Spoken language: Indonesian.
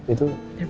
itu gak apa apa